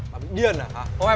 đã ăn xong rồi